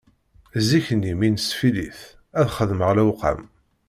Zik-nni mi nesfillit, ad xedmeɣ lewqam